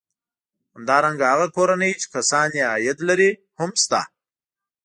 همدارنګه هغه کورنۍ چې کسان یې عاید لري هم شته